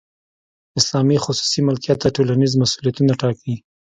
اسلام خصوصي ملکیت ته ټولنیز مسولیتونه ټاکي.